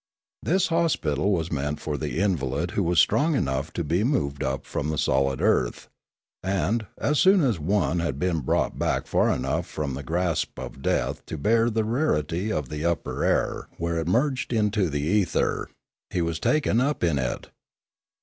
This hospital was meant for the invalid who was strong enough to be moved up from solid earth; and, as soon as one had been brought back far enough from the grasp of death to bear the rareity of the upper air An Accident 349 where it merged into the ether, he was taken up in it.